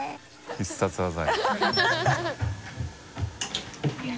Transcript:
必殺技や。